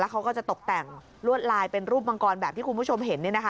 เขาก็จะตกแต่งลวดลายเป็นรูปมังกรแบบที่คุณผู้ชมเห็น